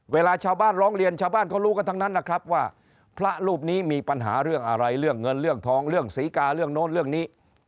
เวลาชาวบ้านร้องเรียนชาวบ้านเขารู้กันทั้งนั้นนะครับว่าพระรูปนี้มีปัญหาเรื่องอะไรเรื่องเงินเรื่องทองเรื่องศรีกาเรื่องโน้นเรื่องนี้